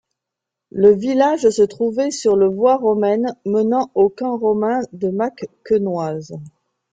Le village se trouvait sur le voie romaine menant au camp romain de Macquenoise.